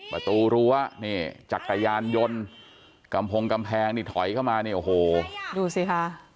ประตูรั้วนี่จักรยานยนต์กำพงกำแพงนี่ถอยเข้ามาเนี่ยโอ้โหดูสิค่ะ